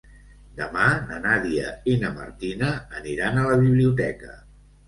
Demà na Nàdia i na Martina aniran a la biblioteca.